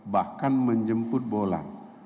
bahkan menjemput bola